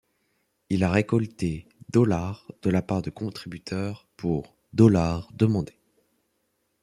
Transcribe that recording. Il y a récolté $ de la part de contributeurs pour $ demandés.